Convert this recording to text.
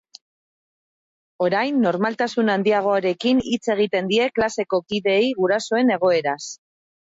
Orain normaltasun handiagoarekin hitz egiten die klaseko kideei gurasoen egoeraz.